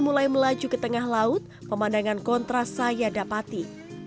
mulai melaju ke tengah laut pemandangan kontras saya dapati